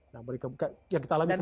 nah mereka yang kita alami kemarin